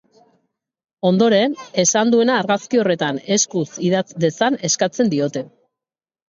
Ondoren, esan duena argazki horretan eskuz idatz dezan eskatzen diote.